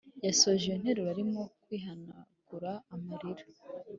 yasoje iyonteruro arimo kwihanagura amarira